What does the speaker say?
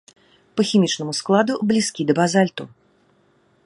Па хімічнаму складу блізкі да базальту.